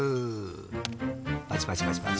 パチパチパチパチ！